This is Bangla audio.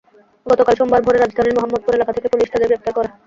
গতকাল সোমবার ভোরে রাজধানীর মোহাম্মদপুর এলাকা থেকে পুলিশ তাঁদের গ্রেপ্তার করে।